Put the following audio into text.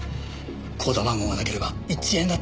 口座番号がなければ１円だって動かせない。